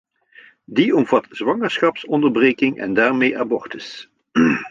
Die omvat zwangerschapsonderbreking en daarmee abortus!